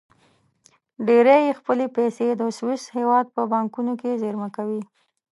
ډېری یې خپلې پیسې د سویس هېواد په بانکونو کې زېرمه کوي.